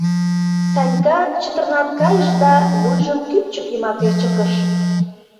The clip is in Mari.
Санька чытырналт кайыш да вуйжым кӱпчык йымаке чыкыш.